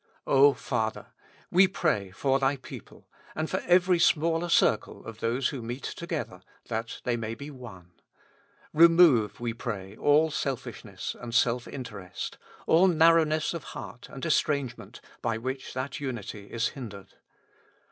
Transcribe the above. O Father ! we pray for Thy people, and for every smaller circle of those who meet together, that they may be one. Remove, we pray, all selfishness and self interest, all narrowness of heart and estrange ment, by which that unity is hindered.